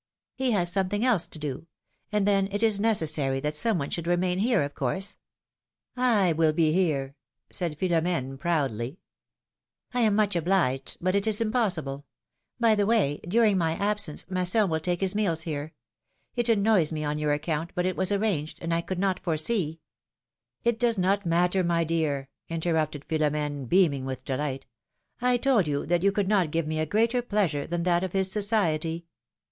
He has something else to do. And then, it is neces sary that some one should remain here, of course." I will be here !" said Philom^ne, proudly. I am much obliged, but it is impossible. By the way, during my absence Masson will take his meals here. It annoys me on your account, but it was arranged, and I could not foresee —" 264 philom^ne's marriages. It does not matter, my dear," interrupted Philom^ne, beaming with delight; I told you that you could not give me a greater pleasure than that of his society."